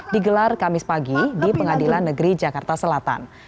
digelar kamis pagi di pengadilan negeri jakarta selatan